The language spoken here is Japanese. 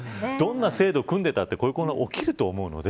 どんな制度を組んでたって混乱は起きると思います。